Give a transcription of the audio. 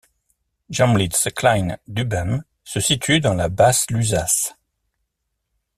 Jämlitz-Klein Düben se situe dans la Basse-Lusace.